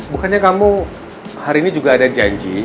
bukannya kamu hari ini juga ada janji